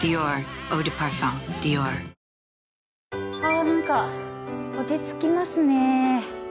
あ何か落ち着きますね。